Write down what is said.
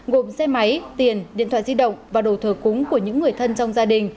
gồm xe máy tiền điện thoại di động và đồ thờ cúng của những người thân trong gia đình